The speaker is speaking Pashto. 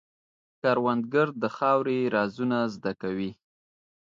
کروندګر د خاورې رازونه زده کوي